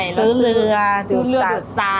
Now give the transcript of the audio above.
ซื้อเรือดูดทราย